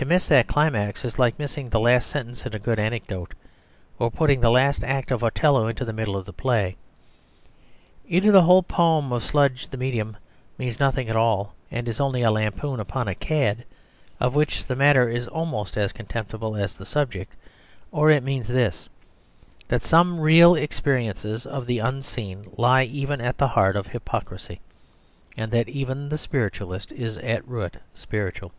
To miss that climax is like missing the last sentence in a good anecdote, or putting the last act of Othello into the middle of the play. Either the whole poem of "Sludge the Medium" means nothing at all, and is only a lampoon upon a cad, of which the matter is almost as contemptible as the subject, or it means this that some real experiences of the unseen lie even at the heart of hypocrisy, and that even the spiritualist is at root spiritual.